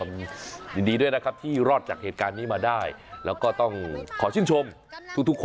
รถเนี่ยเกิดเหตุก่อนถึงวัดคลองเมืองจังหวัดพิศนุโลก